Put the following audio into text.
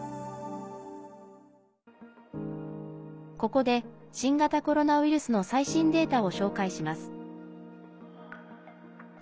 ここで、新型コロナウイルスの最新データを紹介します。